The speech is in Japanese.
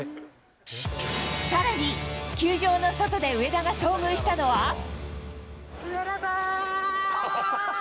さらに、球場の外で上田が遭上田さーん！